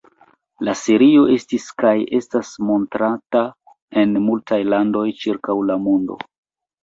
La serio estis kaj estas montrata en multaj landoj ĉirkaŭ la mondo.